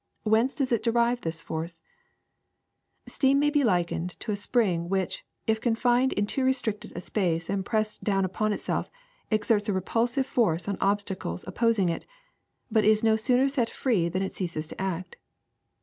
Whence does it derive this force ?'* Steam may be likened to a spring which, if con fined in too restricted a space and pressed down upon itself, exerts a repulsive force on obstacles oppos ing it, but is no sooner set free than it ceases to act.